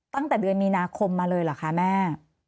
ตั้งแต่เดือนมีนาคมมาเลยเหรอคะแม่